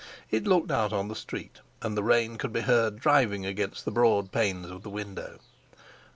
It looked out on the street, and the rain could be heard driving against the broad panes of the window.